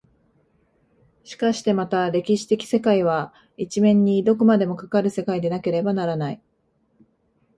しかしてまた歴史的世界は一面にどこまでもかかる世界でなければならない。